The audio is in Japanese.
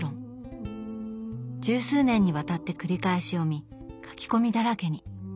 十数年にわたって繰り返し読み書き込みだらけに。